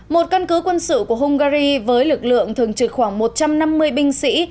một căn cứ quân sự của hungary với lực lượng thường trực khoảng một trăm năm mươi binh sĩ